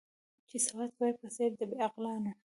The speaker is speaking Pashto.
چي سودا کوې په څېر د بې عقلانو